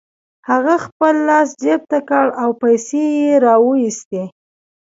هغه خپل لاس جيب ته کړ او پيسې يې را و ايستې.